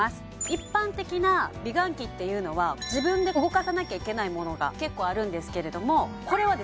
一般的な美顔器っていうのは自分で動かさなきゃいけないものが結構あるんですけれどもこれはですね